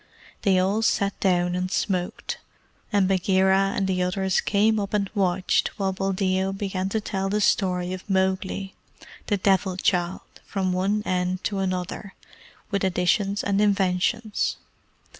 They all sat down and smoked, and Bagheera and the others came up and watched while Buldeo began to tell the story of Mowgli, the Devil child, from one end to another, with additions and inventions.